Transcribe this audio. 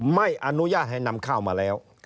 ไม่อนุญาตให้นำข้าวมาแล้ว